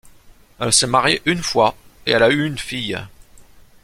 Elle s'est mariée une fois et elle a une fille.